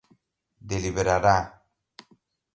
deliberará